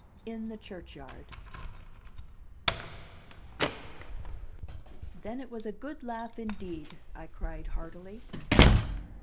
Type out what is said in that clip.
VI: In the Churchyard "Then it was a good laugh, indeed!" I cried heartily.